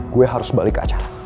gue harus balik ke acara